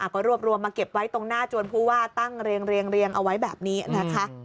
ก็รวบรวมมาเก็บไว้ตรงหน้าจวนผู้ว่าตั้งเรียงเอาไว้แบบนี้นะคะ